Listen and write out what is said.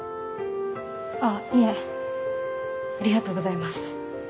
あっいえありがとうございます